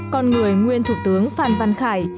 con người nguyên thủ tướng phan văn khải